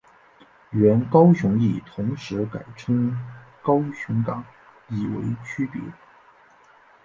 原高雄驿同时改称高雄港以为区别。